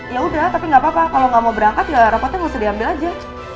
yaudah tapi gapapa kalo ga mau berangkat ya rapatnya ga usah diambil aja